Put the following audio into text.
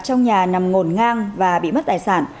trong nhà nằm ngổn ngang và bị mất tài sản